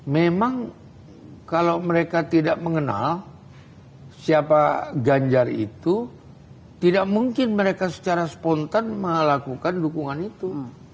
memang kalau mereka tidak mengenal siapa ganjar itu tidak mungkin mereka secara spontan melakukan dukungan itu